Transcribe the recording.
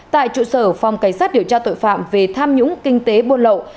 tại trụ sở phòng cảnh sát điều tra tội phạm về tham nhũng kinh tế buôn lậu